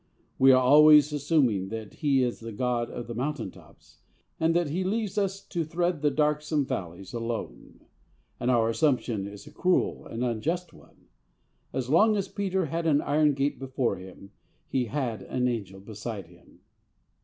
We are always assuming that He is the God of the mountaintops, and that He leaves us to thread the darksome valleys alone; and our assumption is a cruel and unjust one. As long as Peter had an iron gate before him, he had an angel beside him.